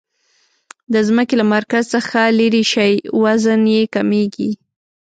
د ځمکې له مرکز څخه لیرې شئ وزن یي کمیږي.